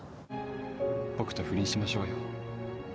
僕と不倫しましょう。